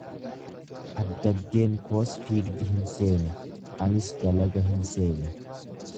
Addaggeen koos fagdi hin seene, anis dalaga hin seene.